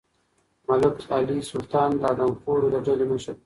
ملک علي سلطان د آدمخورو د ډلې مشر و.